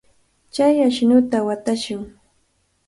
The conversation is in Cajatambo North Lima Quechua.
Chay ashnuta watashun.